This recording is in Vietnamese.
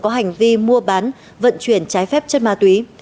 có hành vi mua bán vận chuyển trái phép chất ma túy